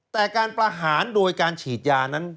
แต่การประหารโดยการฉีดยานั้น